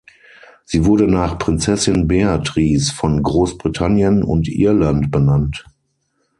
Sie wurde nach Prinzessin Beatrice von Großbritannien und Irland benannt.